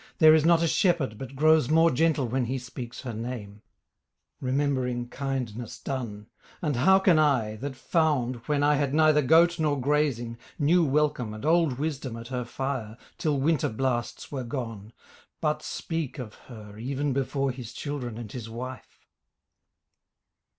There is not a shepherd But grows more gentle when he speaks her name, Remembering kindness done, and how can I, That found when I had neither goat nor grazing New welcome and old wisdom at her fire Till winter blasts were gone, but speak of her Even before his children and his wife.